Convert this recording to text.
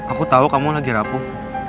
aku tahu kamu lagi rapuh